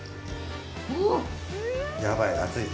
やばい？